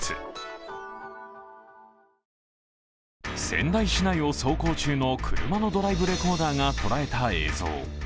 仙台市内を走行中の車のドライブレコーダーが捉えた映像。